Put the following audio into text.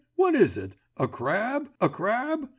what is it? a crab? a crab?